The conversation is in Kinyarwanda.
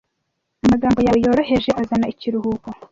Amagambo yawe yoroheje azana ikiruhuko,